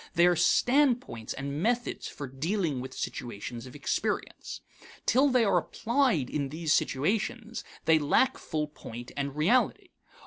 They are standpoints and methods for dealing with situations of experience. Till they are applied in these situations they lack full point and reality.